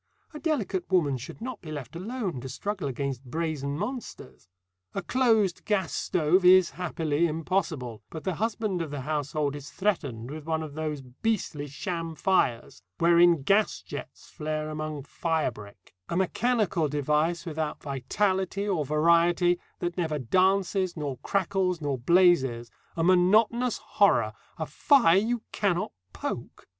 A delicate woman should not be left alone to struggle against brazen monsters. A closed gas stove is happily impossible, but the husband of the household is threatened with one of those beastly sham fires, wherein gas jets flare among firebrick a mechanical fire without vitality or variety, that never dances nor crackles nor blazes, a monotonous horror, a fire you cannot poke.